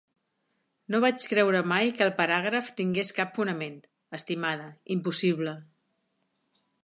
No vaig creure mai que el paràgraf tingués cap fonament, estimada, impossible.